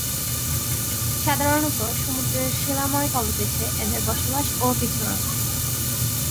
সাধারণতঃ সমুদ্রের শিলাময় তলদেশে এদের বসবাস ও বিচরণ।